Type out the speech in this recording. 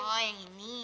oh yang ini